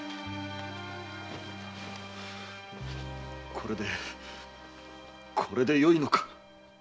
これでこれでよいのか？